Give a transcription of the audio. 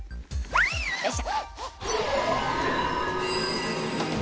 よいしょ。